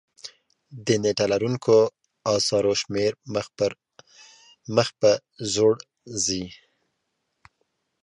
د نېټه لرونکو اثارو شمېر مخ په ځوړ ځي.